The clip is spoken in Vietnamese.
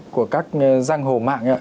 của các giang hồ mạng